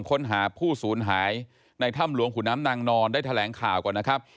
ค้นหาผู้สูญหายในถ้ำหลวงขุนน้ำนางนอนได้แถลงข่าวก่อนนะครับ